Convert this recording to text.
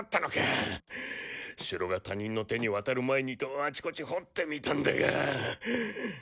城が他人の手に渡る前にとあちこち掘ってみたんだが。